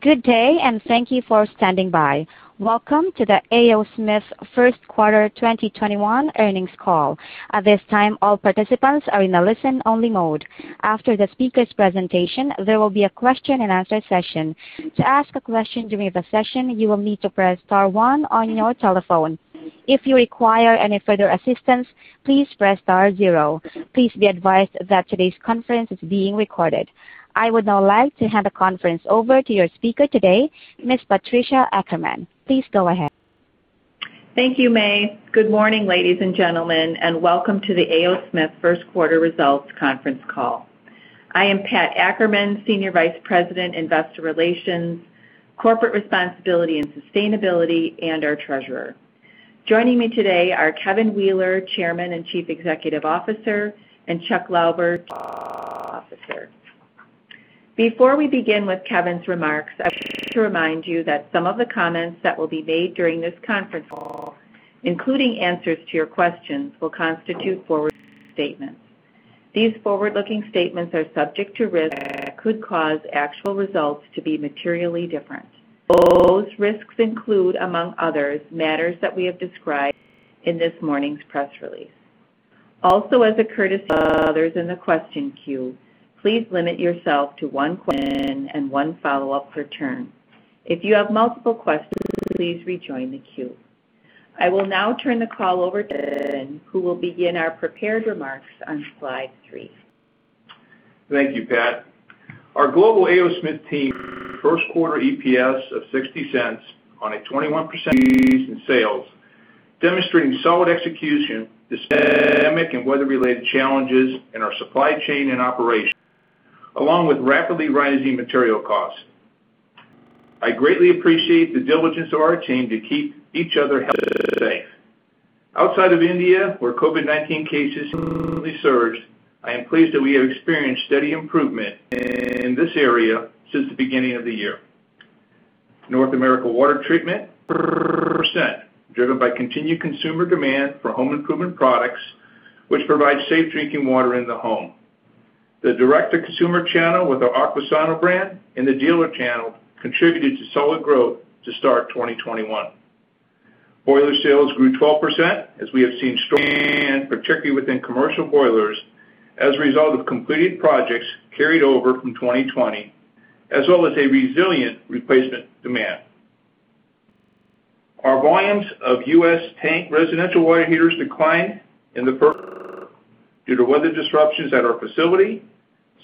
Good day, and thank you for standing by. Welcome to the A. O. Smith first quarter 2021 earnings call. At this time, all participants are in a listen-only mode. After the speakers' presentation, there will be a question-and-answer session. To ask a question during the session, you will need to press star one on your telephone. If you require any further assistance, please press star zero. Please be advised that today's conference is being recorded. I would now like to hand the conference over to your speaker today, Ms. Patricia Ackerman. Please go ahead. Thank you, May. Good morning, ladies and gentlemen, and welcome to the A. O. Smith first quarter results conference call. I am Pat Ackerman, Senior Vice President, Investor Relations, Corporate Responsibility and Sustainability, and our Treasurer. Joining me today are Kevin Wheeler, Chairman and Chief Executive Officer, and Chuck Lauber, Chief Financial Officer. Before we begin with Kevin's remarks, I would like to remind you that some of the comments that will be made during this conference call, including answers to your questions, will constitute forward-looking statements. These forward-looking statements are subject to risks that could cause actual results to be materially different. Those risks include, among others, matters that we have described in this morning's press release. Also, as a courtesy to others in the question queue, please limit yourself to one question and one follow-up per turn. If you have multiple questions, please rejoin the queue. I will now turn the call over to Kevin, who will begin our prepared remarks on slide three. Thank you, Pat Ackerman. Our global A. O. Smith team first quarter EPS of $0.60 on a 21% increase in sales, demonstrating solid execution despite pandemic and weather-related challenges in our supply chain and operations, along with rapidly rising material costs. I greatly appreciate the diligence of our team to keep each other healthy and safe. Outside of India, where COVID-19 cases recently surged, I am pleased that we have experienced steady improvement in this area since the beginning of the year. North America water treatment, percent, driven by continued consumer demand for home improvement products, which provide safe drinking water in the home. The direct-to-consumer channel with our Aquasana brand and the dealer channel contributed to solid growth to start 2021. Boiler sales grew 12%, as we have seen strong particularly within commercial boilers, as a result of completed projects carried over from 2020, as well as a resilient replacement demand. Our volumes of U.S. tank residential water heaters declined due to weather disruptions at our facility,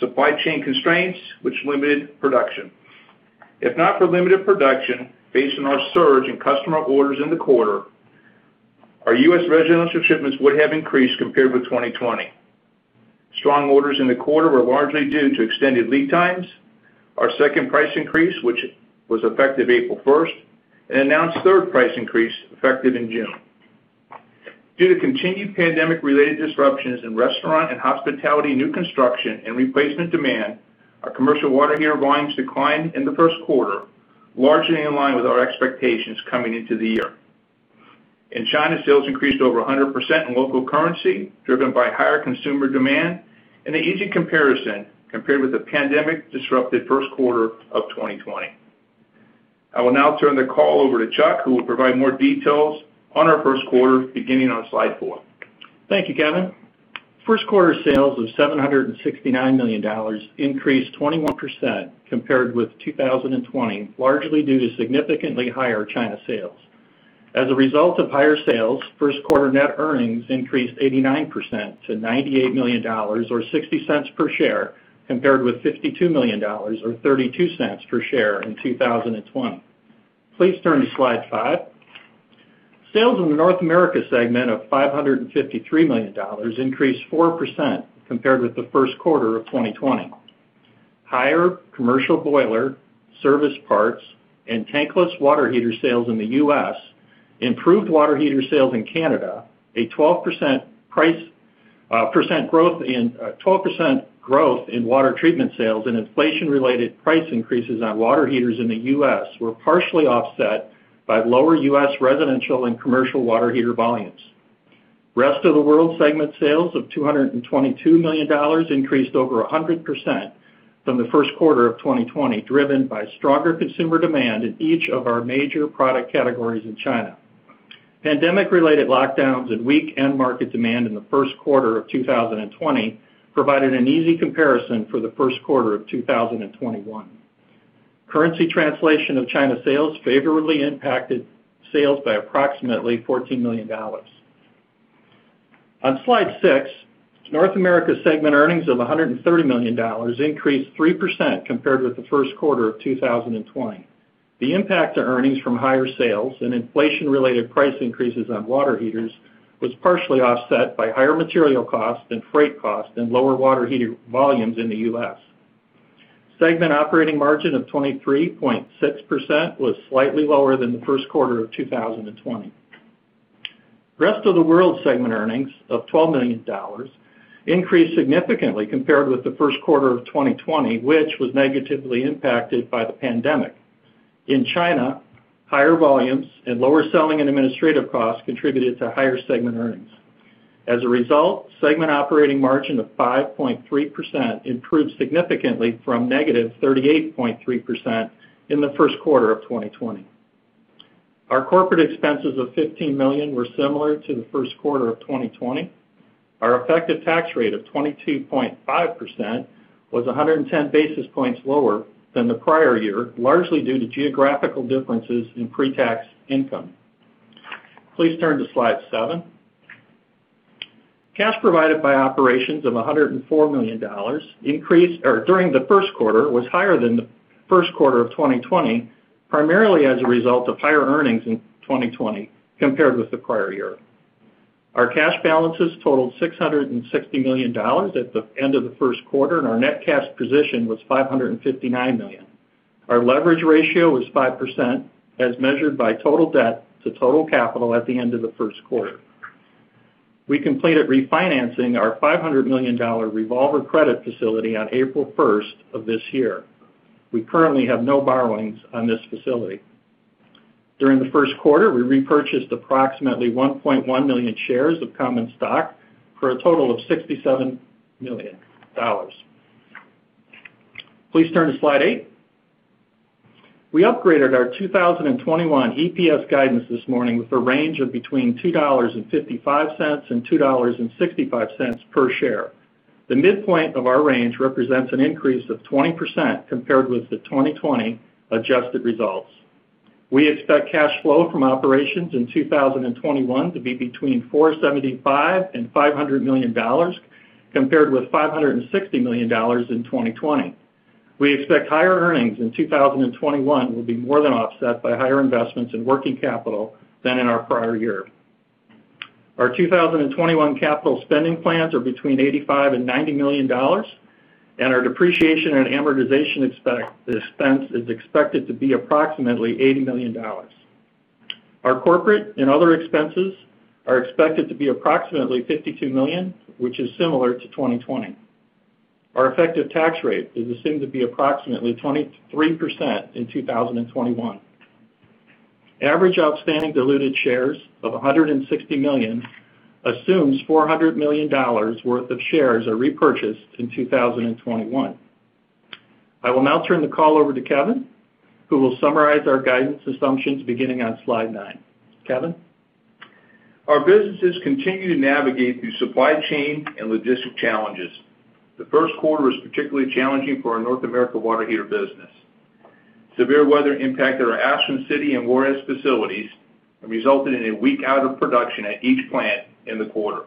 supply chain constraints, which limited production. If not for limited production, based on our surge in customer orders in the quarter, our U.S. residential shipments would have increased compared with 2020. Strong orders in the quarter were largely due to extended lead times, our second price increase, which was effective April 1st, an announced third price increase effective in June. Due to continued pandemic-related disruptions in restaurant and hospitality new construction and replacement demand, our commercial water heater volumes declined in the first quarter, largely in line with our expectations coming into the year. In China, sales increased over 100% in local currency, driven by higher consumer demand and the easy comparison compared with the pandemic-disrupted first quarter of 2020. I will now turn the call over to Chuck, who will provide more details on our first quarter, beginning on slide four. Thank you, Kevin. First quarter sales of $769 million increased 21% compared with 2020, largely due to significantly higher China sales. As a result of higher sales, first quarter net earnings increased 89% to $98 million, or $0.60 per share, compared with $52 million, or $0.32 per share in 2020. Please turn to slide five. Sales in the North America segment of $553 million increased 4% compared with the first quarter of 2020. Higher commercial boiler, service parts, and tankless water heater sales in the U.S., improved water heater sales in Canada, a 12% growth in water treatment sales, and inflation-related price increases on water heaters in the U.S. were partially offset by lower U.S. residential and commercial water heater volumes. Rest of the World segment sales of $222 million increased over 100% from the first quarter of 2020, driven by stronger consumer demand in each of our major product categories in China. Pandemic-related lockdowns and weak end market demand in the first quarter of 2020 provided an easy comparison for the first quarter of 2021. Currency translation of China sales favorably impacted sales by approximately $14 million. On slide six, North America segment earnings of $130 million increased 3% compared with the first quarter of 2020. The impact to earnings from higher sales and inflation-related price increases on water heaters was partially offset by higher material costs and freight costs and lower water heater volumes in the U.S. Segment operating margin of 23.6% was slightly lower than the first quarter of 2020. Rest of the World Segment earnings of $12 million increased significantly compared with the first quarter of 2020, which was negatively impacted by the pandemic. In China, higher volumes and lower selling and administrative costs contributed to higher segment earnings. Segment operating margin of 5.3% improved significantly from -38.3% in the first quarter of 2020. Our corporate expenses of $15 million were similar to the first quarter of 2020. Our effective tax rate of 22.5% was 110 basis points lower than the prior year, largely due to geographical differences in pre-tax income. Please turn to slide seven. Cash provided by operations of $104 million during the first quarter was higher than the first quarter of 2020, primarily as a result of higher earnings in 2020 compared with the prior year. Our cash balances totaled $660 million at the end of the first quarter, and our net cash position was $559 million. Our leverage ratio was 5%, as measured by total debt to total capital at the end of the first quarter. We completed refinancing our $500 million revolver credit facility on April 1st of this year. We currently have no borrowings on this facility. During the first quarter, we repurchased approximately 1.1 million shares of common stock for a total of $67 million. Please turn to slide eight. We upgraded our 2021 EPS guidance this morning with a range of between $2.55 and $2.65 per share. The midpoint of our range represents an increase of 20% compared with the 2020 adjusted results. We expect cash flow from operations in 2021 to be between $475 million and $500 million, compared with $560 million in 2020. We expect higher earnings in 2021 will be more than offset by higher investments in working capital than in our prior year. Our 2021 capital spending plans are between $85 million and $90 million, and our depreciation and amortization expense is expected to be approximately $80 million. Our corporate and other expenses are expected to be approximately $52 million, which is similar to 2020. Our effective tax rate is assumed to be approximately 23% in 2021. Average outstanding diluted shares of 160 million assumes $400 million worth of shares are repurchased in 2021. I will now turn the call over to Kevin, who will summarize our guidance assumptions beginning on slide nine. Kevin? Our businesses continue to navigate through supply chain and logistics challenges. The first quarter was particularly challenging for our North America water heater business. Severe weather impacted our Ashland City and Juarez facilities and resulted in one week out of production at each plant in the quarter.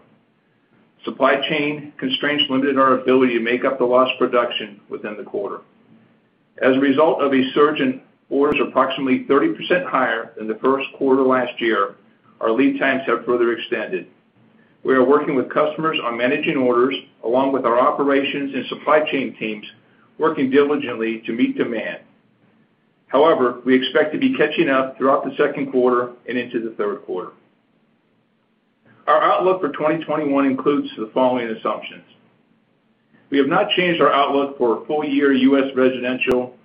Supply chain constraints limited our ability to make up the lost production within the quarter. As a result of a surge in orders approximately 30% higher than the first quarter last year, our lead times have further extended. We are working with customers on managing orders, along with our operations and supply chain teams, working diligently to meet demand. We expect to be catching up throughout the second quarter and into the third quarter. Our outlook for 2021 includes the following assumptions. We have not changed our outlook for full-year U.S. residential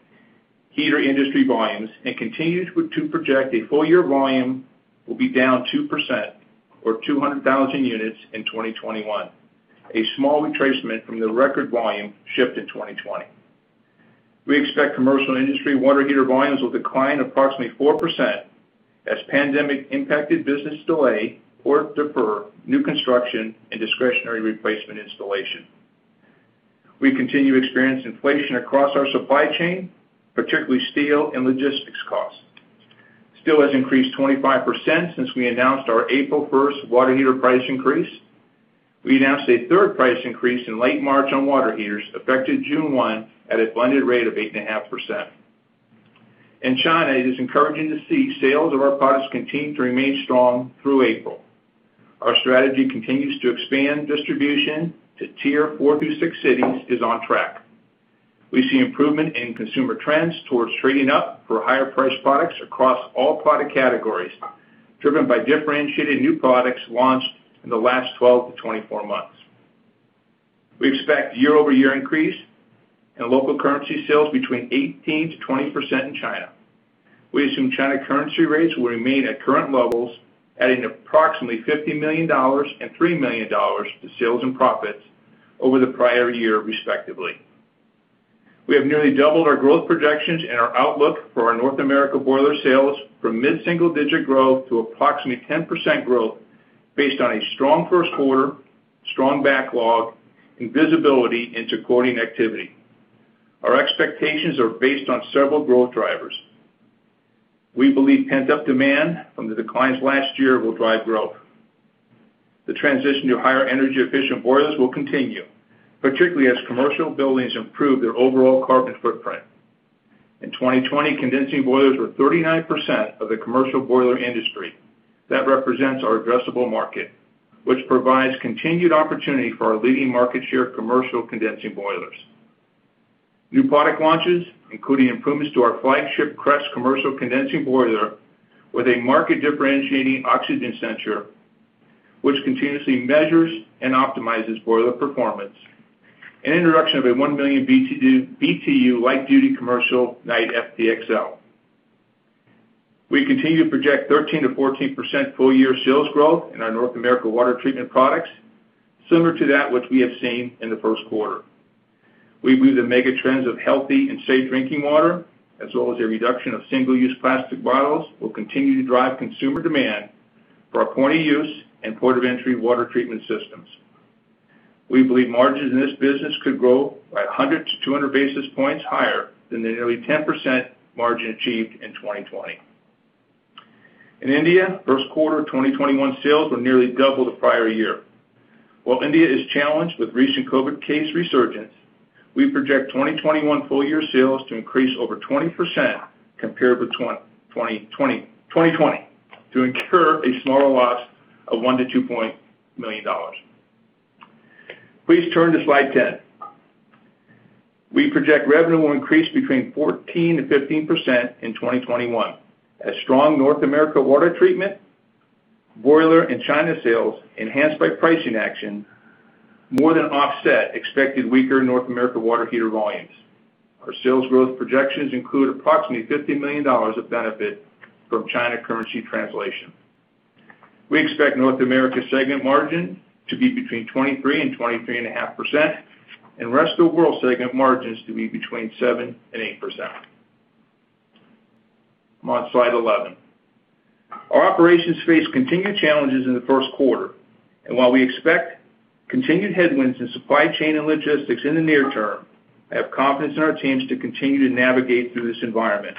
heater industry volumes and continue to project a full-year volume will be down 2%, or 200,000 units, in 2021. A small retracement from the record volume shipped in 2020. We expect commercial industry water heater volumes will decline approximately 4% as pandemic-impacted business delay or defer new construction and discretionary replacement installation. We continue to experience inflation across our supply chain, particularly steel and logistics costs. Steel has increased 25% since we announced our April 1st water heater price increase. We announced a third price increase in late March on water heaters, effective June 1, at a blended rate of 8.5%. In China, it is encouraging to see sales of our products continue to remain strong through April. Our strategy continues to expand distribution to Tier 4 through 6 cities is on track. We see improvement in consumer trends towards trading up for higher-priced products across all product categories, driven by differentiated new products launched in the last 12-24 months. We expect year-over-year increase in local currency sales between 18%-20% in China. We assume China currency rates will remain at current levels, adding approximately $50 million and $3 million to sales and profits over the prior year, respectively. We have nearly doubled our growth projections and our outlook for our North America boiler sales from mid-single-digit growth to approximately 10% growth based on a strong first quarter, strong backlog, and visibility into quoting activity. Our expectations are based on several growth drivers. We believe pent-up demand from the declines last year will drive growth. The transition to higher energy-efficient boilers will continue, particularly as commercial buildings improve their overall carbon footprint. In 2020, condensing boilers were 39% of the commercial boiler industry. That represents our addressable market, which provides continued opportunity for our leading market share commercial condensing boilers. New product launches, including improvements to our flagship Crest commercial condensing boiler with a market-differentiating oxygen sensor, which continuously measures and optimizes boiler performance. An introduction of a 1 million BTU light-duty commercial Knight XL. We continue to project 13%-14% full-year sales growth in our North America water treatment products, similar to that which we have seen in the first quarter. We believe the mega trends of healthy and safe drinking water, as well as the reduction of single-use plastic bottles, will continue to drive consumer demand for our point-of-use and point-of-entry water treatment systems. We believe margins in this business could grow by 100 to 200 basis points higher than the nearly 10% margin achieved in 2020. In India, first quarter 2021 sales were nearly double the prior year. While India is challenged with recent COVID case resurgence, we project 2021 full-year sales to increase over 20% compared with 2020 to incur a smaller loss of $1 million to $2 million. Please turn to slide 10. We project revenue will increase between 14%-15% in 2021 as strong North America water treatment, boiler and China sales enhanced by pricing action more than offset expected weaker North America water heater volumes. Our sales growth projections include approximately $50 million of benefit from China currency translation. We expect North America segment margin to be between 23% and 23.5%, and Rest of World segment margins to be between 7% and 8%. I'm on slide 11. Our operations faced continued challenges in the first quarter. While we expect continued headwinds in supply chain and logistics in the near term, I have confidence in our teams to continue to navigate through this environment.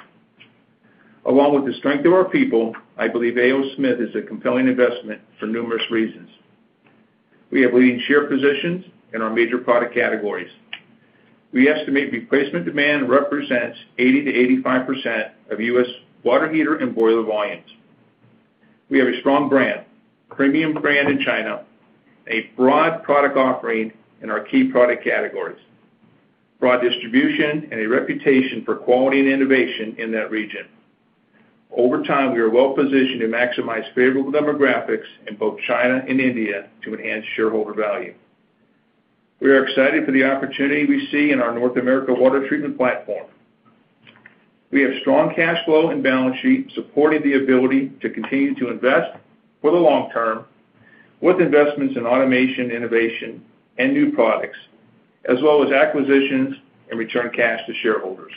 Along with the strength of our people, I believe A. O. Smith is a compelling investment for numerous reasons. We have leading share positions in our major product categories. We estimate replacement demand represents 80%-85% of U.S. water heater and boiler volumes. We have a strong brand, premium brand in China, a broad product offering in our key product categories, broad distribution, and a reputation for quality and innovation in that region. Over time, we are well-positioned to maximize favorable demographics in both China and India to enhance shareholder value. We are excited for the opportunity we see in our North America water treatment platform. We have strong cash flow and balance sheet supporting the ability to continue to invest for the long term with investments in automation, innovation and new products, as well as acquisitions and return cash to shareholders.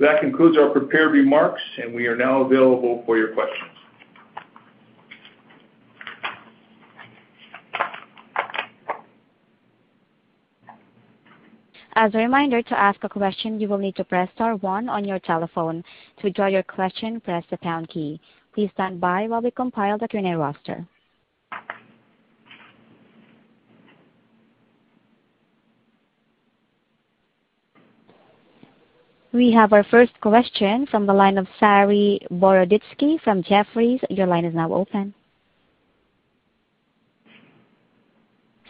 That concludes our prepared remarks, and we are now available for your questions. As a reminder, to ask a question, you will need to press star one on your telephone. To withdraw your question, press the pound key. Please stand by while we compile the Q&A roster. We have our first question from the line of Saree Boroditsky from Jefferies. Your line is now open.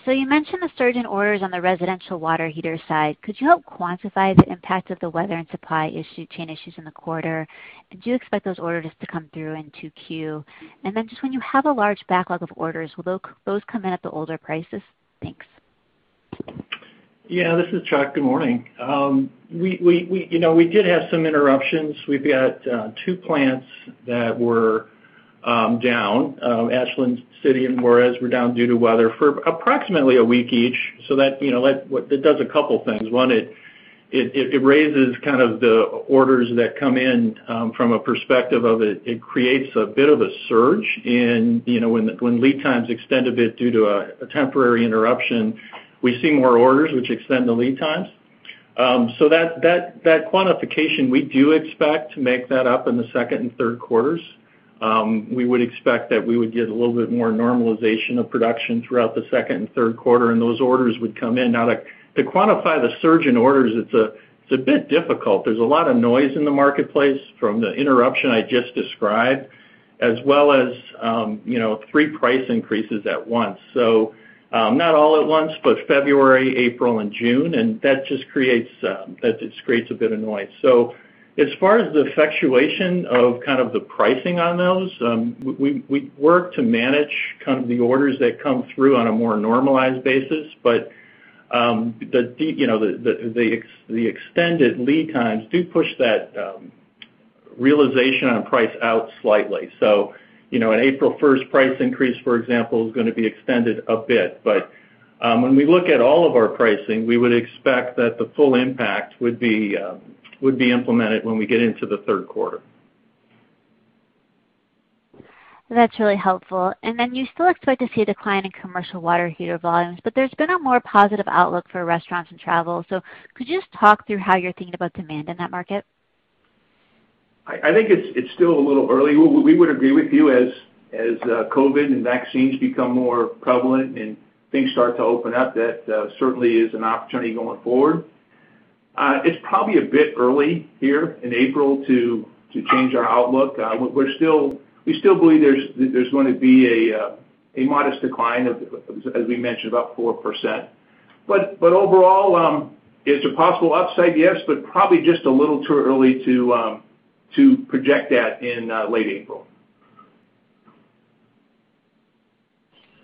You mentioned the surge in orders on the residential water heater side. Could you help quantify the impact of the weather and supply chain issues in the quarter? Do you expect those orders to come through in 2Q? When you have a large backlog of orders, will those come in at the older prices? Thanks. Yeah. This is Chuck. Good morning. We did have some interruptions. We've got two plants that were down. Ashland City and Juarez were down due to weather for approximately a week each. That does a couple things. One, it raises the orders that come in from a perspective of it creates a bit of a surge when lead times extend a bit due to a temporary interruption, we see more orders which extend the lead times. That quantification, we do expect to make that up in the second and third quarters. We would expect that we would get a little bit more normalization of production throughout the second and third quarter, and those orders would come in. Now, to quantify the surge in orders, it's a bit difficult. There's a lot of noise in the marketplace from the interruption I just described, as well as three price increases at once. Not all at once, but February, April and June and that just creates a bit of noise. As far as the effectuation of the pricing on those, we work to manage the orders that come through on a more normalized basis. The extended lead times do push that realization on price out slightly. An April 1st price increase, for example, is going to be extended a bit. When we look at all of our pricing, we would expect that the full impact would be implemented when we get into the third quarter. That's really helpful. You still expect to see a decline in commercial water heater volumes, but there's been a more positive outlook for restaurants and travel. Could you just talk through how you're thinking about demand in that market? I think it's still a little early. We would agree with you, as COVID and vaccines become more prevalent and things start to open up, that certainly is an opportunity going forward. It's probably a bit early here in April to change our outlook. We still believe there's going to be a modest decline of, as we mentioned, about 4%. Overall, it's a possible upside, yes, but probably just a little too early to project that in late April.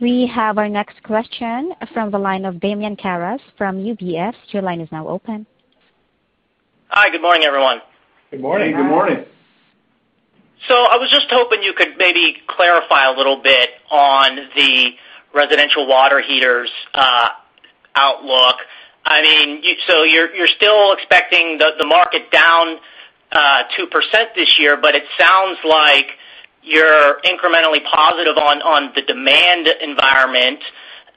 We have our next question from the line of Damian Karas from UBS. Your line is now open. Hi. Good morning, everyone. Good morning. Good morning. I was just hoping you could maybe clarify a little bit on the residential water heaters outlook. You're still expecting the market down 2% this year, but it sounds like you're incrementally positive on the demand environment.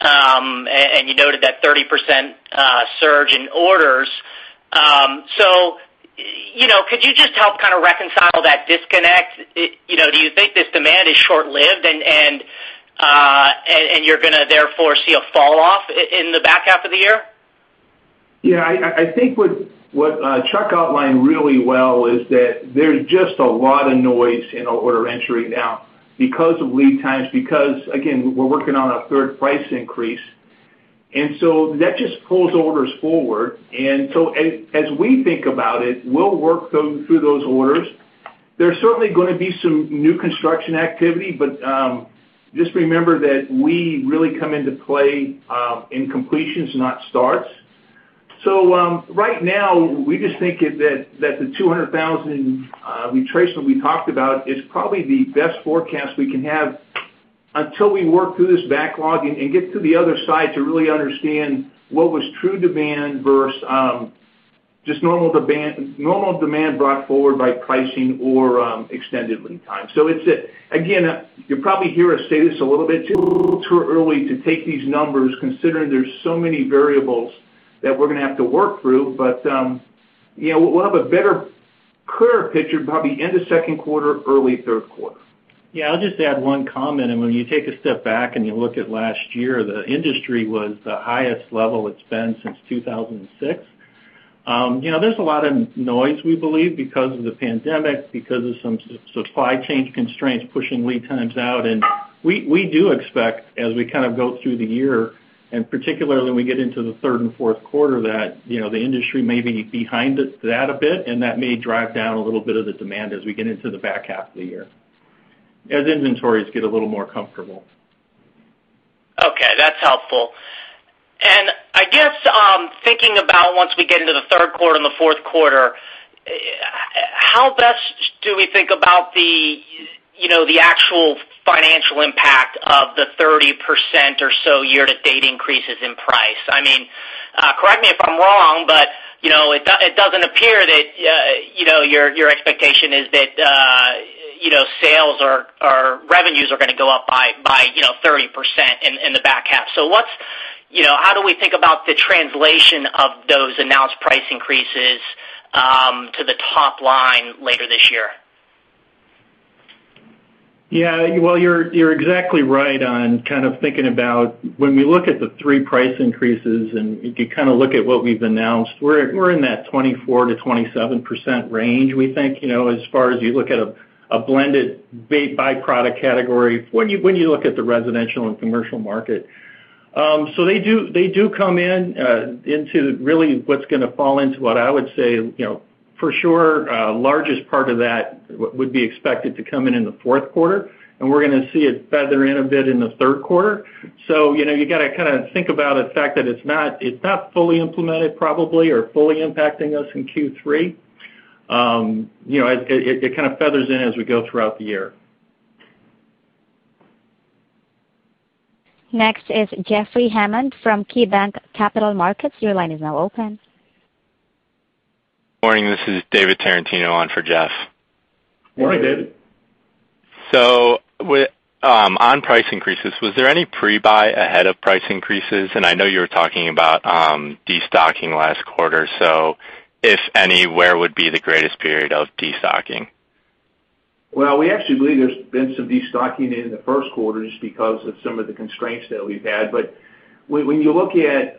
You noted that 30% surge in orders. Could you just help kind of reconcile that disconnect? Do you think this demand is short-lived and you're going to therefore see a fall off in the back half of the year? I think what Chuck outlined really well is that there's just a lot of noise in order entry now because of lead times, because, again, we're working on a third price increase, that just pulls orders forward. As we think about it, we'll work through those orders. There's certainly going to be some new construction activity, just remember that we really come into play in completions, not starts. Right now we just think that the 200,000 retracement we talked about is probably the best forecast we can have until we work through this backlog and get to the other side to really understand what was true demand versus just normal demand brought forward by pricing or extended lead time. Again, you'll probably hear us say this a little bit, too early to take these numbers considering there's so many variables that we're going to have to work through. We'll have a better clearer picture probably end of second quarter, early third quarter. Yeah, I'll just add one comment. When you take a step back and you look at last year, the industry was the highest level it's been since 2006. There's a lot of noise, we believe, because of the pandemic, because of some supply chain constraints pushing lead times out. We do expect, as we kind of go through the year, and particularly when we get into the third and fourth quarter, that the industry may be behind that a bit, and that may drive down a little bit of the demand as we get into the back half of the year, as inventories get a little more comfortable. Okay, that's helpful. I guess, thinking about once we get into the third quarter and the fourth quarter, how best do we think about the actual financial impact of the 30% or so year-to-date increases in price? Correct me if I'm wrong, but it doesn't appear that your expectation is that sales or revenues are going to go up by 30% in the back half. How do we think about the translation of those announced price increases to the top line later this year? Yeah. Well, you're exactly right on kind of thinking about when we look at the three price increases, and if you kind of look at what we've announced, we're in that 24%-27% range, we think, as far as you look at a blended by product category, when you look at the residential and commercial market. They do come in into really what's going to fall into what I would say, for sure, largest part of that would be expected to come in in the fourth quarter, and we're going to see it feather in a bit in the third quarter. You've got to kind of think about the fact that it's not fully implemented probably or fully impacting us in Q3. It kind of feathers in as we go throughout the year. Next is Jeffrey Hammond from KeyBanc Capital Markets. Your line is now open. Morning, this is David Tarantino on for Jeff. Morning, David. On price increases, was there any pre-buy ahead of price increases? I know you were talking about de-stocking last quarter. If any, where would be the greatest period of de-stocking? We actually believe there's been some de-stocking in the first quarter just because of some of the constraints that we've had. When you look at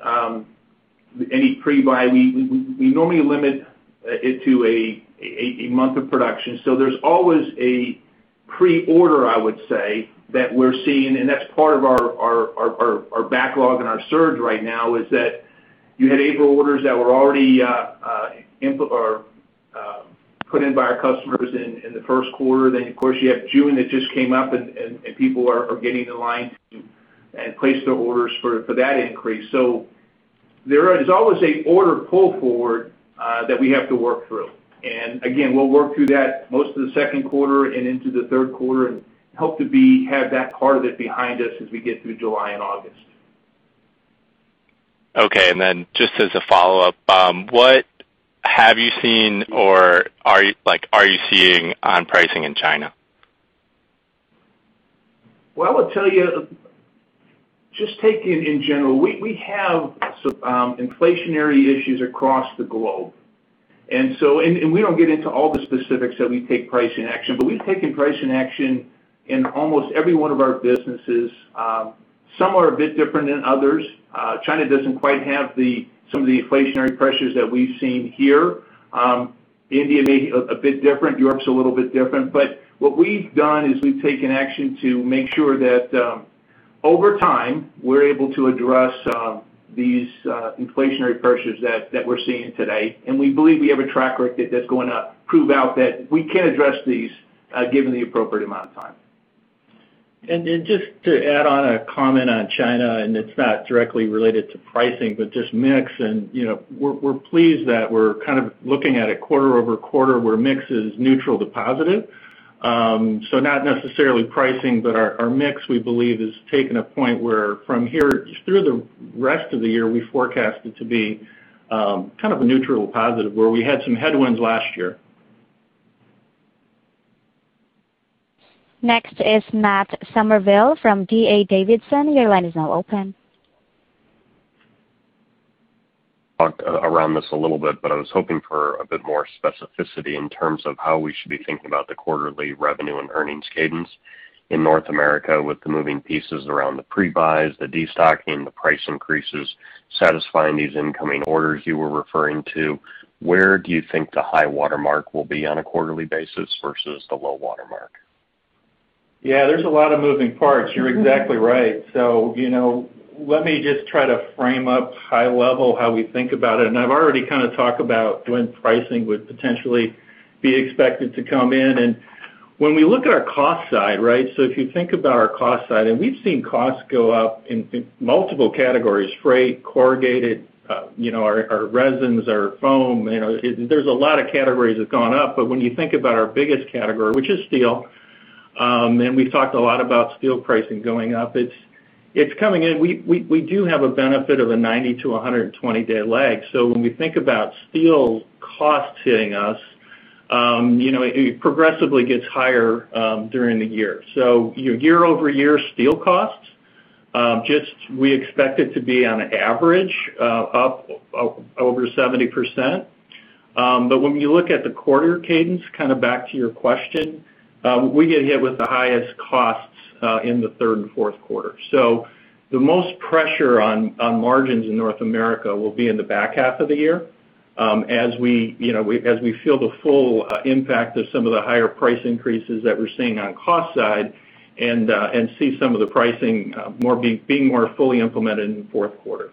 any pre-buy, we normally limit it to a month of production. There's always a pre-order, I would say, that we're seeing, and that's part of our backlog and our surge right now is that you had April orders that were already put in by our customers in the first quarter. Of course, you have June that just came up, and people are getting in line to and place their orders for that increase. There is always an order pull forward that we have to work through. Again, we'll work through that most of the second quarter and into the third quarter and hope to have that part of it behind us as we get through July and August. Okay. Then just as a follow-up, what have you seen or are you seeing on pricing in China? Well, I'll tell you, just taking in general, we have some inflationary issues across the globe. We don't get into all the specifics that we take pricing action, but we've taken pricing action in almost every one of our businesses. Some are a bit different than others. China doesn't quite have some of the inflationary pressures that we've seen here. India may be a bit different. Europe's a little bit different. What we've done is we've taken action to make sure that over time, we're able to address these inflationary pressures that we're seeing today. We believe we have a track record that's going to prove out that we can address these given the appropriate amount of time. Just to add on a comment on China, and it's not directly related to pricing, but just mix. We're pleased that we're kind of looking at it quarter-over-quarter where mix is neutral to positive. Not necessarily pricing, but our mix, we believe, has taken a point where from here through the rest of the year, we forecast it to be kind of a neutral positive, where we had some headwinds last year. Next is Matt Summerville from D.A. Davidson. Your line is now open. I was hoping for a bit more specificity in terms of how we should be thinking about the quarterly revenue and earnings cadence in North America with the moving pieces around the pre-buys, the destocking, the price increases, satisfying these incoming orders you were referring to. Where do you think the high water mark will be on a quarterly basis versus the low water mark? Yeah, there's a lot of moving parts. You're exactly right. Let me just try to frame up high level how we think about it. I've already kind of talked about when pricing would potentially be expected to come in, and when we look at our cost side, right? If you think about our cost side, and we've seen costs go up in multiple categories: freight, corrugated, our resins, our foam. There's a lot of categories that have gone up, but when you think about our biggest category, which is steel, and we've talked a lot about steel pricing going up, it's coming in. We do have a benefit of a 90- to 120-day lag. When we think about steel costs hitting us, it progressively gets higher during the year. Year-over-year steel costs, just we expect it to be on average up over 70%. When you look at the quarter cadence, kind of back to your question, we get hit with the highest costs in the third and fourth quarter. The most pressure on margins in North America will be in the back half of the year as we feel the full impact of some of the higher price increases that we're seeing on cost side and see some of the pricing being more fully implemented in the fourth quarter.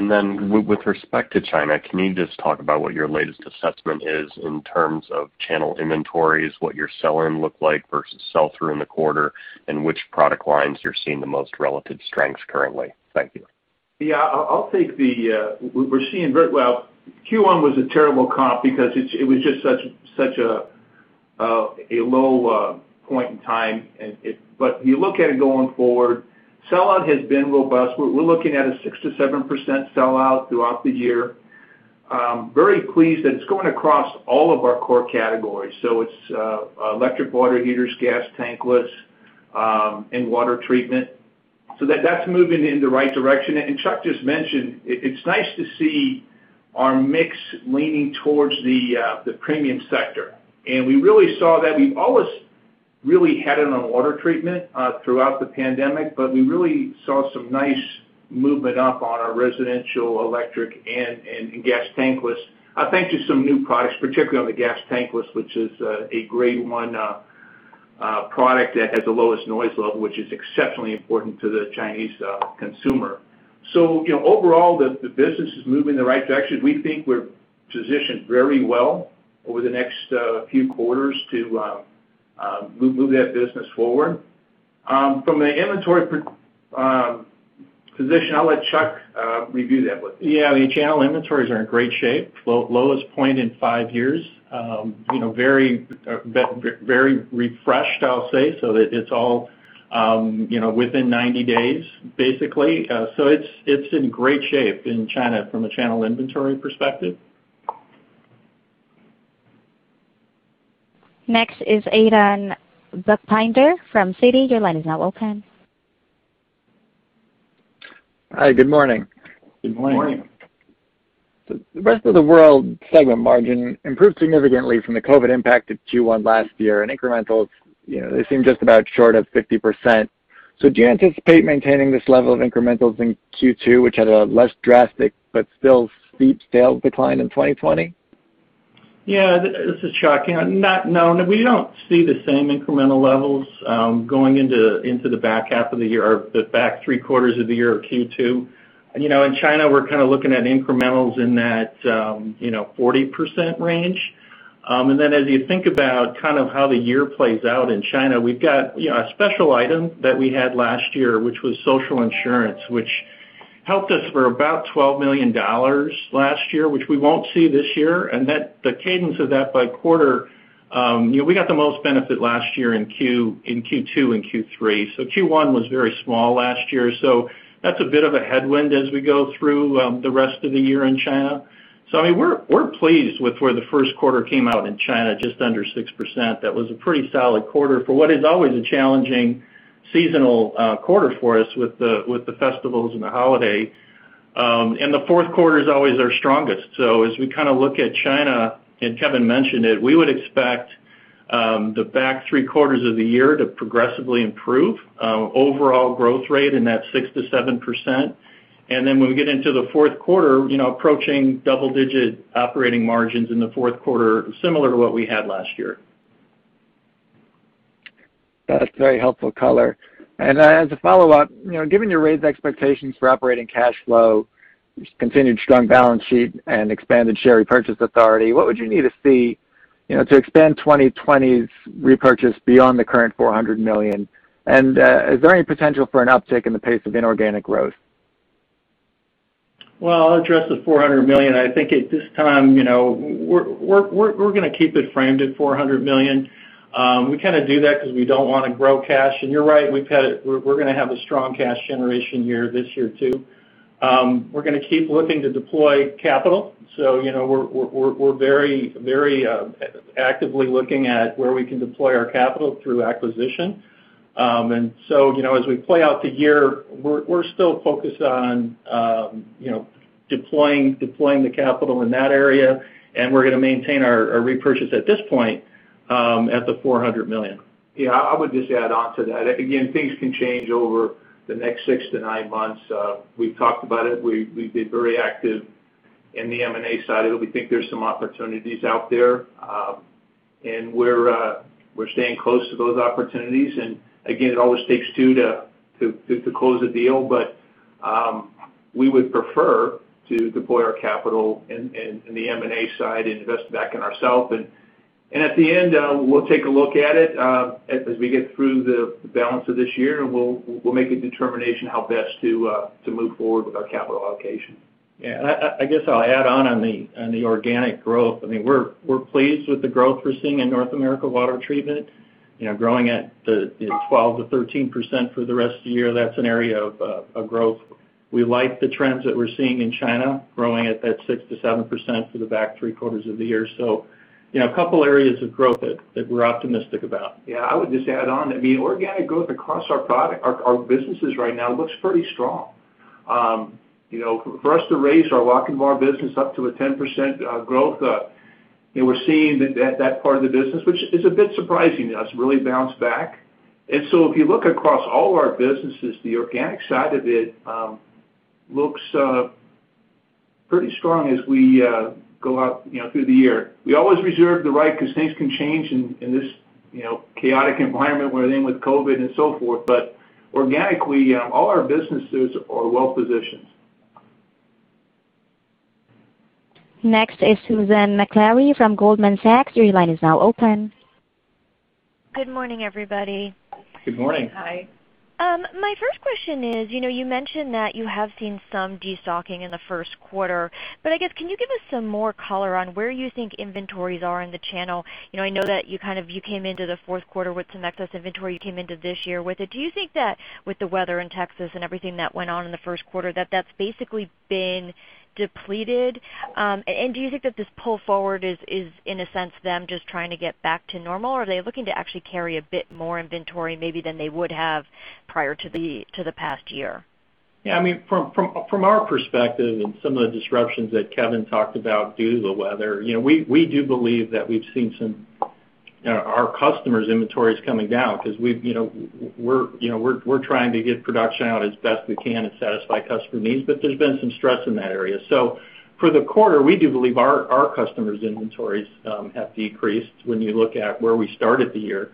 With respect to China, can you just talk about what your latest assessment is in terms of channel inventories, what your sell-in looked like versus sell-through in the quarter, and which product lines you're seeing the most relative strengths currently? Thank you. Yeah, we're seeing very well. Q1 was a terrible comp because it was just such a low point in time. You look at it going forward, sell-out has been robust. We're looking at a 6%-7% sell-out throughout the year. Very pleased that it's going across all of our core categories. It's electric water heaters, gas tankless, and water treatment. That's moving in the right direction. Chuck just mentioned, it's nice to see our mix leaning towards the premium sector. We really saw that. We've always really had it on water treatment throughout the pandemic, we really saw some nice movement up on our residential, electric, and gas tankless. I think just some new products, particularly on the gas tankless, which is a grade 1 product that has the lowest noise level, which is exceptionally important to the Chinese consumer. Overall, the business is moving in the right direction. We think we're positioned very well over the next few quarters to move that business forward. From an inventory position, I'll let Chuck review that. Yeah, the channel inventories are in great shape. Lowest point in five years. Very refreshed, I'll say. It's all within 90 days, basically. It's in great shape in China from a channel inventory perspective. Next is Eitan Buchbinder from Citi. Your line is now open. Hi, good morning. Good morning. Good morning. The rest of the world segment margin improved significantly from the COVID impact of Q1 last year. Incrementals, they seem just about short of 50%. Do you anticipate maintaining this level of incrementals in Q2, which had a less drastic but still steep sales decline in 2020? Yeah. This is Chuck. No, we don't see the same incremental levels going into the back half of the year or the back three quarters of the year or Q2. In China, we're kind of looking at incrementals in that 40% range. As you think about kind of how the year plays out in China, we've got a special item that we had last year, which was social insurance, which helped us for about $12 million last year, which we won't see this year. The cadence of that by quarter, we got the most benefit last year in Q2 and Q3. Q1 was very small last year. That's a bit of a headwind as we go through the rest of the year in China. We're pleased with where the first quarter came out in China, just under 6%. That was a pretty solid quarter for what is always a challenging seasonal quarter for us with the festivals and the holiday. The fourth quarter is always our strongest. As we kind of look at China, and Kevin mentioned it, we would expect the back three quarters of the year to progressively improve overall growth rate in that 6%-7%. When we get into the fourth quarter, approaching double-digit operating margins in the fourth quarter, similar to what we had last year. That's very helpful color. As a follow-up, given your raised expectations for operating cash flow, continued strong balance sheet, and expanded share repurchase authority, what would you need to see to expand 2020's repurchase beyond the current $400 million? Is there any potential for an uptick in the pace of inorganic growth? Well, I'll address the $400 million. I think at this time, we're going to keep it framed at $400 million. We do that because we don't want to grow cash. You're right, we're going to have a strong cash generation year this year too. We're going to keep looking to deploy capital. We're very actively looking at where we can deploy our capital through acquisition. As we play out the year, we're still focused on deploying the capital in that area, and we're going to maintain our repurchase at this point, at the $400 million. Yeah, I would just add on to that. Again, things can change over the next 6-9 months. We've talked about it. We've been very active in the M&A side of it. We think there's some opportunities out there. We're staying close to those opportunities. Again, it always takes two to close a deal, but we would prefer to deploy our capital in the M&A side and invest back in ourself. At the end, we'll take a look at it as we get through the balance of this year, and we'll make a determination how best to move forward with our capital allocation. Yeah, I guess I'll add on the organic growth. We're pleased with the growth we're seeing in North America water treatment. Growing at the 12%-13% for the rest of the year, that's an area of growth. We like the trends that we're seeing in China, growing at that 6%-7% for the back three quarters of the year. A couple areas of growth that we're optimistic about. Yeah, I would just add on. Organic growth across our businesses right now looks pretty strong. For us to raise our Lochinvar business up to a 10% growth, we're seeing that part of the business, which is a bit surprising to us, really bounce back. If you look across all of our businesses, the organic side of it looks pretty strong as we go out through the year. We always reserve the right because things can change in this chaotic environment we're in with COVID and so forth. Organically, all our businesses are well positioned. Next is Susan Maklari from Goldman Sachs. Your line is now open. Good morning, everybody. Good morning. Good morning. My first question is, you mentioned that you have seen some de-stocking in the first quarter, I guess, can you give us some more color on where you think inventories are in the channel? I know that you came into the fourth quarter with some excess inventory. You came into this year with it. Do you think that with the weather in Texas and everything that went on in the first quarter, that that's basically been depleted? Do you think that this pull forward is in a sense them just trying to get back to normal? Or are they looking to actually carry a bit more inventory maybe than they would have prior to the past year? Yeah, from our perspective and some of the disruptions that Kevin talked about due to the weather, we do believe that we've seen our customers' inventories coming down because we're trying to get production out as best we can and satisfy customer needs. There's been some stress in that area. For the quarter, we do believe our customers' inventories have decreased when you look at where we started the year.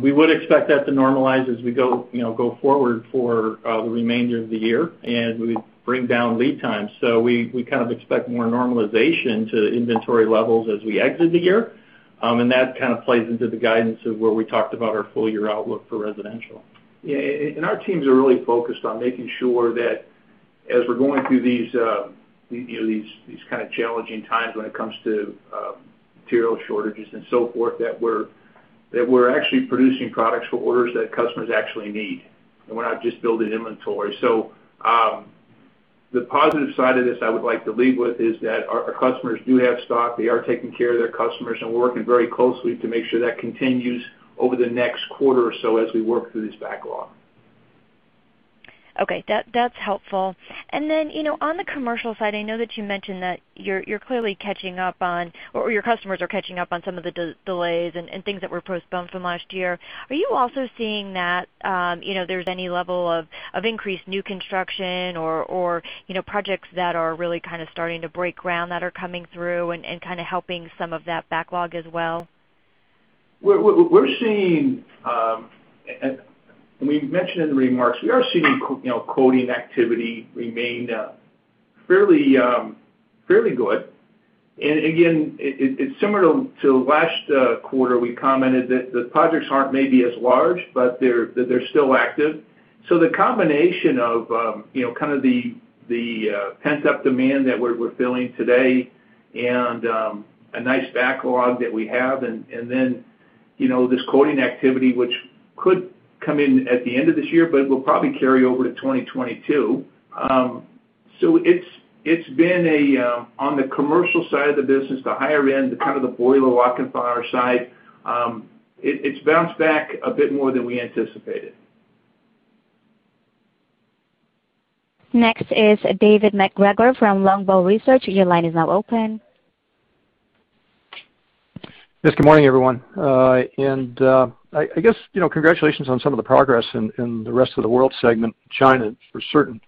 We would expect that to normalize as we go forward for the remainder of the year, and we bring down lead times. We expect more normalization to inventory levels as we exit the year. That plays into the guidance of where we talked about our full-year outlook for residential. Our teams are really focused on making sure that as we're going through these kind of challenging times when it comes to material shortages and so forth, that we're actually producing products for orders that customers actually need and we're not just building inventory. The positive side of this I would like to leave with is that our customers do have stock. They are taking care of their customers, and we're working very closely to make sure that continues over the next quarter or so as we work through this backlog. Okay, that's helpful. On the commercial side, I know that you mentioned that you're clearly catching up on, or your customers are catching up on some of the delays and things that were postponed from last year. Are you also seeing that there's any level of increased new construction or projects that are really kind of starting to break ground that are coming through and kind of helping some of that backlog as well? We mentioned in the remarks, we are seeing quoting activity remain fairly good. Again, it's similar to last quarter. We commented that the projects aren't maybe as large, but that they're still active. The combination of kind of the pent-up demand that we're filling today and a nice backlog that we have, and then this quoting activity, which could come in at the end of this year, but it will probably carry over to 2022. It's been on the commercial side of the business, the higher end, the kind of the boiler walk-in fireplace side, it's bounced back a bit more than we anticipated. Next is David MacGregor from Longbow Research. Your line is now open. Yes, good morning, everyone. I guess congratulations on some of the progress in the rest of the world segment, China for certain.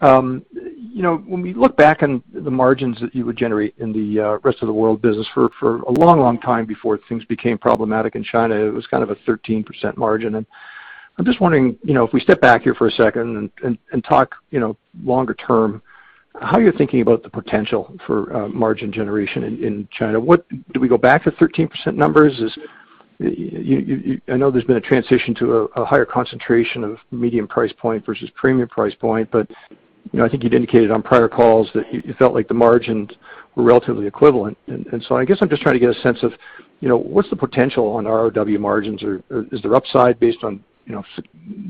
When we look back on the margins that you would generate in the rest of the world business for a long time before things became problematic in China, it was kind of a 13% margin. I'm just wondering, if we step back here for a second and talk longer term, how are you thinking about the potential for margin generation in China? Do we go back to 13% numbers? I know there's been a transition to a higher concentration of medium price point versus premium price point, I think you'd indicated on prior calls that you felt like the margins were relatively equivalent. I guess I'm just trying to get a sense of what's the potential on ROW margins, or is there upside based on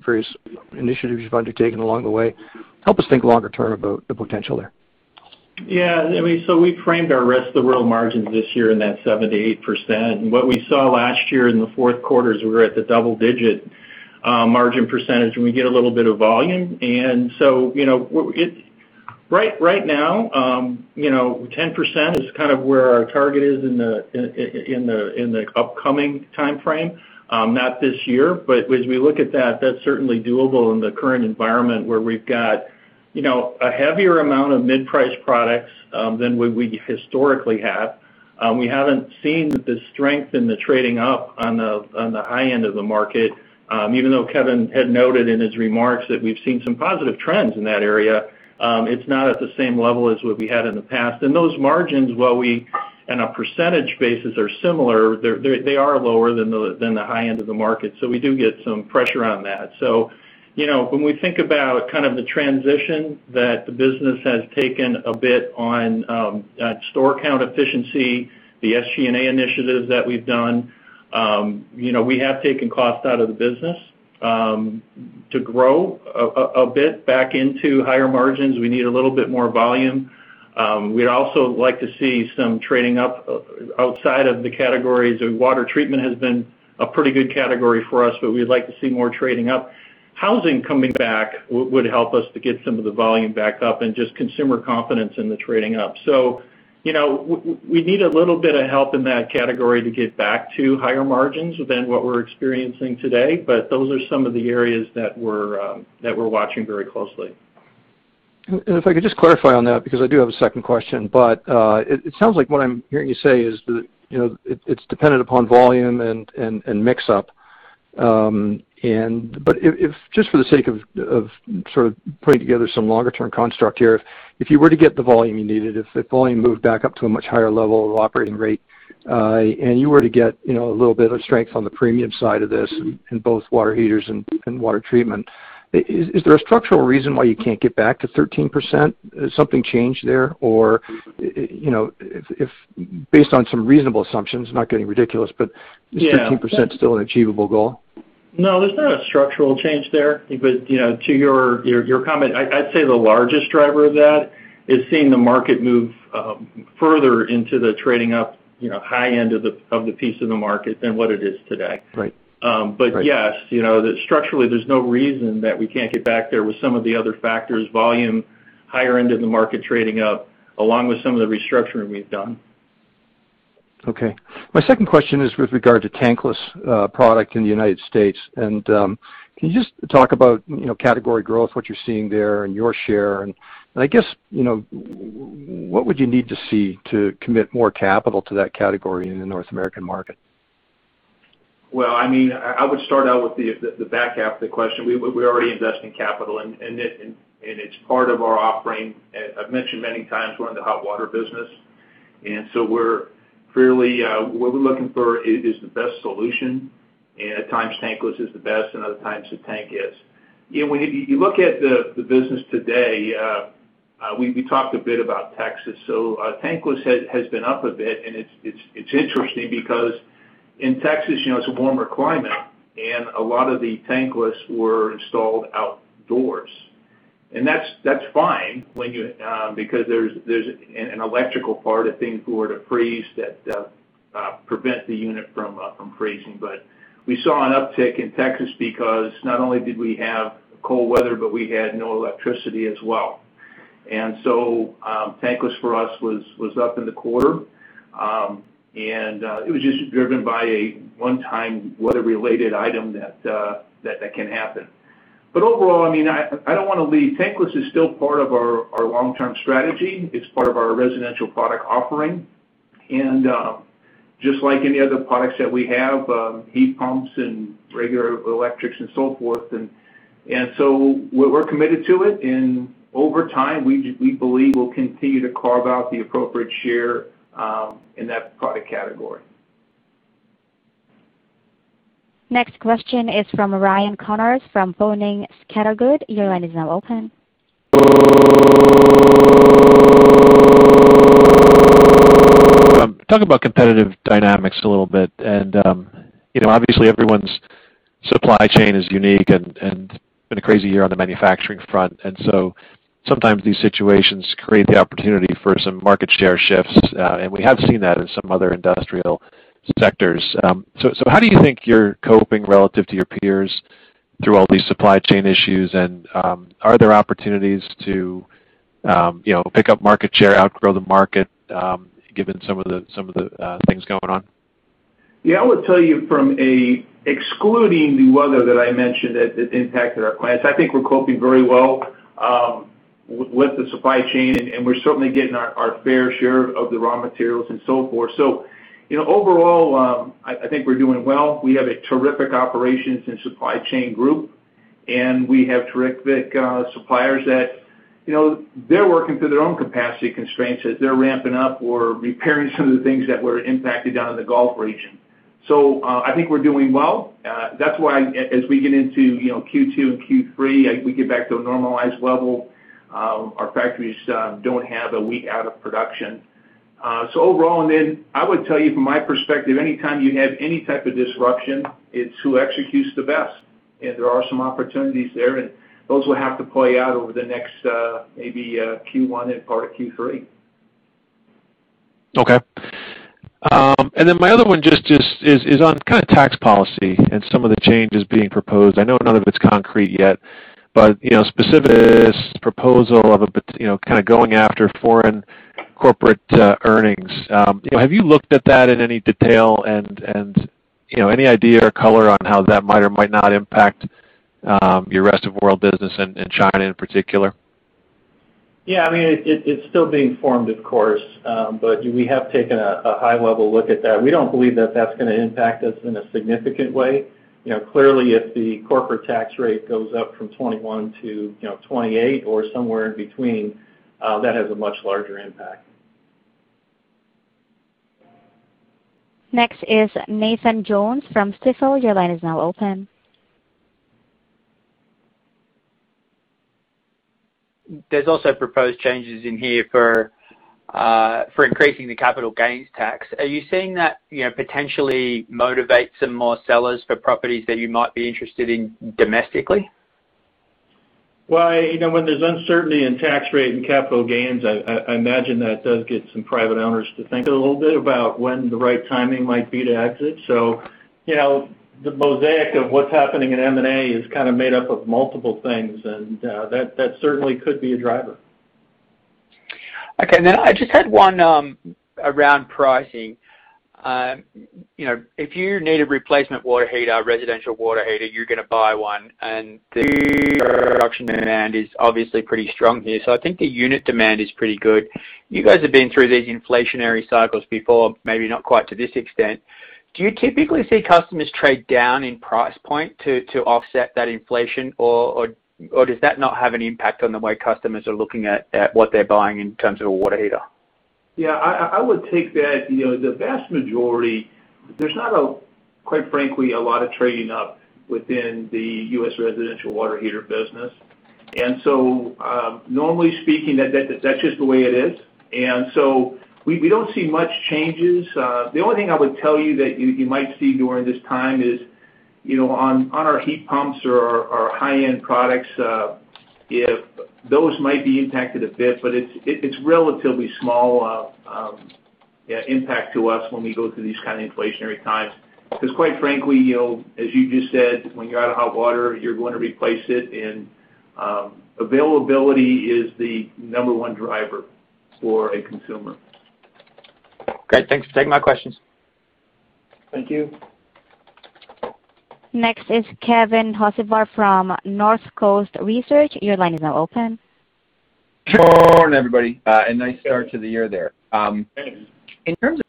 various initiatives you've undertaken along the way? Help us think longer term about the potential there. I mean, we framed our rest of the world margins this year in that 7%-8%. What we saw last year in the fourth quarter is we were at the double-digit margin percentage, and we get a little bit of volume. Right now, 10% is kind of where our target is in the upcoming timeframe. Not this year, as we look at that's certainly doable in the current environment where we've got a heavier amount of mid-price products than what we historically have. We haven't seen the strength in the trading up on the high end of the market. Even though Kevin had noted in his remarks that we've seen some positive trends in that area, it's not at the same level as what we had in the past. Those margins, while we, on a percentage basis, are similar, they are lower than the high end of the market, we do get some pressure on that. When we think about kind of the transition that the business has taken a bit on store count efficiency, the SG&A initiatives that we've done, we have taken cost out of the business. To grow a bit back into higher margins, we need a little bit more volume. We'd also like to see some trading up outside of the categories. Water treatment has been a pretty good category for us, but we'd like to see more trading up. Housing coming back would help us to get some of the volume back up and just consumer confidence in the trading up. We need a little bit of help in that category to get back to higher margins than what we're experiencing today. Those are some of the areas that we're watching very closely. If I could just clarify on that, because I do have a second question, but it sounds like what I'm hearing you say is that it's dependent upon volume and mix-up. If just for the sake of sort of putting together some longer term construct here, if you were to get the volume you needed, if the volume moved back up to a much higher level of operating rate, and you were to get a little bit of strength on the premium side of this in both water heaters and water treatment, is there a structural reason why you can't get back to 13%? Has something changed there? Yeah is 13% still an achievable goal? No, there's not a structural change there. To your comment, I'd say the largest driver of that is seeing the market move further into the trading up high end of the piece of the market than what it is today. Right. Yes, structurally, there's no reason that we can't get back there with some of the other factors, volume, higher end of the market trading up, along with some of the restructuring we've done. Okay. My second question is with regard to tankless product in the United States. Can you just talk about category growth, what you're seeing there and your share and I guess, what would you need to see to commit more capital to that category in the North American market? Well, I would start out with the back half of the question. We already invest in capital, and it's part of our offering. I've mentioned many times we're in the hot water business, and so what we're looking for is the best solution, and at times tankless is the best, and other times the tank is. When you look at the business today, we talked a bit about Texas. Tankless has been up a bit, and it's interesting because in Texas, it's a warmer climate, and a lot of the tankless were installed outdoors. That's fine because there's an electrical part of things were to freeze that prevent the unit from freezing. We saw an uptick in Texas because not only did we have cold weather, but we had no electricity as well. Tankless for us was up in the quarter. It was just driven by a one-time weather-related item that can happen. Overall, tankless is still part of our long-term strategy. It's part of our residential product offering. Just like any other products that we have, heat pumps and regular electrics and so forth. We're committed to it, and over time, we believe we'll continue to carve out the appropriate share in that product category. Next question is from Ryan Connors from Boenning & Scattergood. Your line is now open. Talk about competitive dynamics a little bit. Obviously everyone's supply chain is unique, and it's been a crazy year on the manufacturing front. Sometimes these situations create the opportunity for some market share shifts. We have seen that in some other industrial sectors. How do you think you're coping relative to your peers through all these supply chain issues? Are there opportunities to pick up market share, outgrow the market given some of the things going on? I would tell you from excluding the weather that I mentioned that impacted our plants, I think we're coping very well with the supply chain, and we're certainly getting our fair share of the raw materials and so forth. Overall, I think we're doing well. We have a terrific operations and supply chain group, and we have terrific suppliers that they're working through their own capacity constraints as they're ramping up or repairing some of the things that were impacted down in the Gulf region. I think we're doing well. That's why as we get into Q2 and Q3, we get back to a normalized level. Our factories don't have a week out of production. Overall, I would tell you from my perspective, anytime you have any type of disruption, it's who executes the best. There are some opportunities there, and those will have to play out over the next, maybe Q1 and part of Q3. Okay. My other one just is on kind of tax policy and some of the changes being proposed. I know none of it's concrete yet, specific proposal of kind of going after foreign corporate earnings. Have you looked at that in any detail and any idea or color on how that might or might not impact your rest of world business in China in particular? Yeah, it's still being formed, of course. We have taken a high-level look at that. We don't believe that that's going to impact us in a significant way. Clearly, if the corporate tax rate goes up from 21 to 28 or somewhere in between, that has a much larger impact. Next is Nathan Jones from Stifel. Your line is now open. There's also proposed changes in here for increasing the capital gains tax. Are you seeing that potentially motivate some more sellers for properties that you might be interested in domestically? Well, when there's uncertainty in tax rate and capital gains, I imagine that does get some private owners to think a little bit about when the right timing might be to exit. The mosaic of what's happening in M&A is kind of made up of multiple things, and that certainly could be a driver. Okay. I just had one around pricing. If you need a replacement water heater, residential water heater, you're going to buy one, and the production demand is obviously pretty strong here. I think the unit demand is pretty good. You guys have been through these inflationary cycles before, maybe not quite to this extent. Do you typically see customers trade down in price point to offset that inflation? Does that not have any impact on the way customers are looking at what they're buying in terms of a water heater? Yeah. I would take that. The vast majority, there's not a, quite frankly, a lot of trading up within the U.S. residential water heater business. Normally speaking, that's just the way it is. We don't see much changes. The only thing I would tell you that you might see during this time is on our heat pumps or our high-end products, if those might be impacted a bit, but it's relatively small impact to us when we go through these kind of inflationary times. Because quite frankly, as you just said, when you're out of hot water, you're going to replace it, and availability is the number one driver for a consumer. Great. Thanks for taking my questions. Thank you. Next is Keith Housum from Northcoast Research. Your line is now open. Good morning, everybody. A nice start to the year there. Thanks. In terms of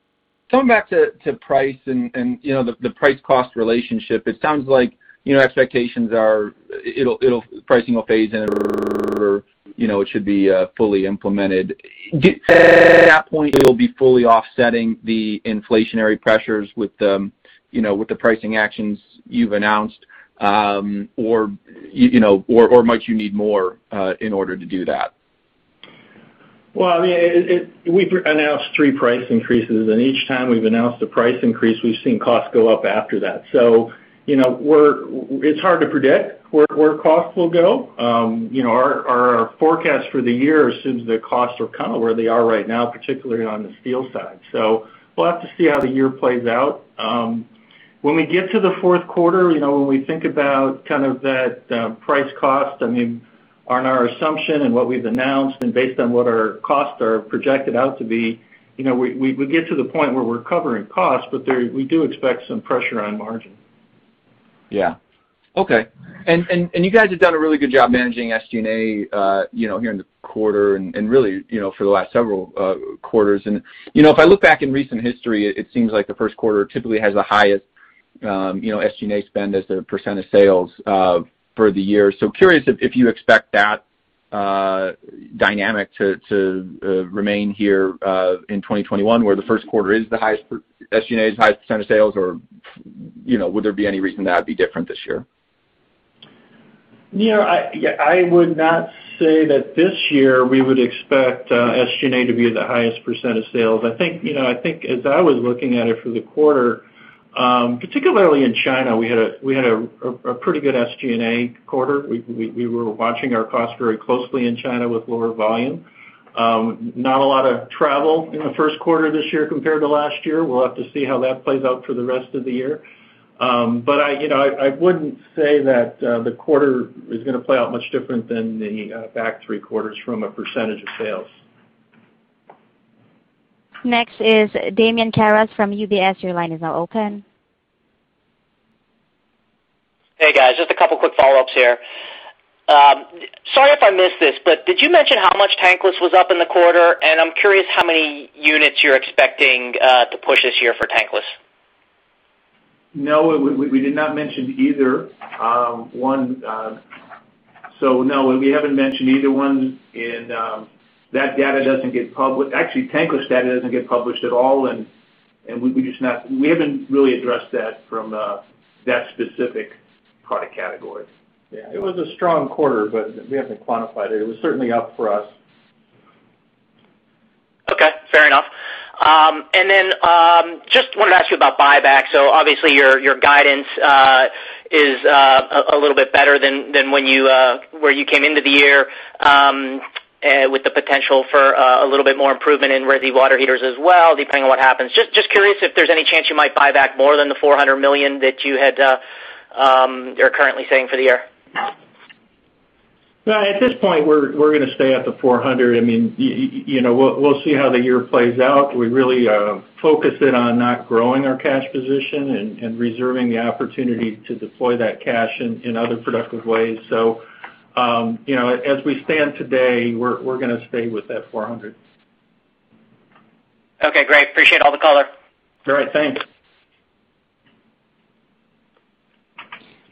going back to price and the price cost relationship, it sounds like your expectations are pricing will phase in or it should be fully implemented. At that point, it'll be fully offsetting the inflationary pressures with the pricing actions you've announced. Might you need more in order to do that? Well, we've announced three price increases, and each time we've announced a price increase, we've seen costs go up after that. It's hard to predict where costs will go. Our forecast for the year assumes that costs are kind of where they are right now, particularly on the steel side. We'll have to see how the year plays out. When we get to the fourth quarter, when we think about kind of that price cost on our assumption and what we've announced and based on what our costs are projected out to be, we get to the point where we're covering costs, but we do expect some pressure on margin. Yeah. Okay. You guys have done a really good job managing SG&A here in the quarter and really for the last several quarters. If I look back in recent history, it seems like the first quarter typically has the highest SG&A spend as the % of sales for the year. Curious if you expect that dynamic to remain here in 2021, where the first quarter is the highest SG&A, is the highest % of sales, or would there be any reason that'd be different this year? I would not say that this year we would expect SG&A to be the highest % of sales. I think as I was looking at it for the quarter, particularly in China, we had a pretty good SG&A quarter. We were watching our costs very closely in China with lower volume. Not a lot of travel in the first quarter this year compared to last year. We'll have to see how that plays out for the rest of the year. I wouldn't say that the quarter is going to play out much different than the back three quarters from a percentage of sales. Next is Damian Karas from UBS. Your line is now open. Hey guys, just a couple quick follow-ups here. Sorry if I missed this, but did you mention how much tankless was up in the quarter? I'm curious how many units you're expecting to push this year for tankless? No, we did not mention either one. No, we haven't mentioned either one, and actually, tankless data doesn't get published at all, and we haven't really addressed that from that specific product category. Yeah. It was a strong quarter, but we haven't quantified it. It was certainly up for us. Okay, fair enough. Just wanted to ask you about buyback. Obviously, your guidance is a little bit better than where you came into the year, with the potential for a little bit more improvement in resi water heaters as well, depending on what happens. Just curious if there's any chance you might buy back more than the $400 million that you're currently saying for the year. No, at this point, we're going to stay at the $400. We'll see how the year plays out. We're really focusing on not growing our cash position and reserving the opportunity to deploy that cash in other productive ways. As we stand today, we're going to stay with that $400. Okay, great. Appreciate all the color. All right, thanks.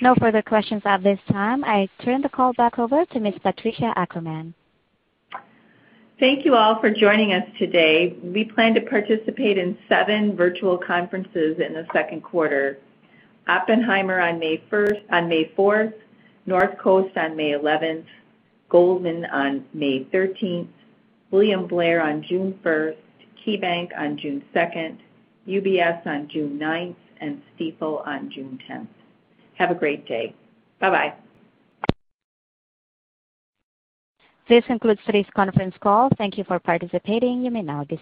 No further questions at this time. I turn the call back over to Ms. Patricia Ackerman. Thank you all for joining us today. We plan to participate in seven virtual conferences in the second quarter. Oppenheimer on May 4th, Northcoast on May 11th, Goldman on May 13th, William Blair on June 1st, KeyBanc on June 2nd, UBS on June 9th, and Stifel on June 10th. Have a great day. Bye-bye. This concludes today's conference call. Thank you for participating. You may now disconnect.